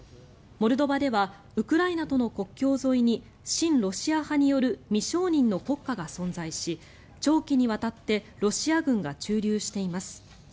モルドバではウクライナとの国境沿いに親ロシア派による未承認の国家が存在し長期にわたってロシア軍が駐留しています。